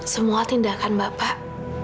semua tindakan bapak